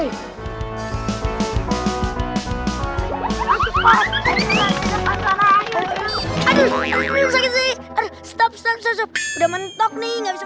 aduh aduh sakit sih stop stop sudah mentok nih nggak bisa